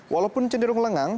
walaupun cenderung lengang